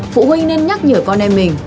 phụ huynh nên nhắc nhở con em mình